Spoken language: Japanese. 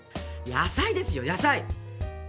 野菜ですよ野菜！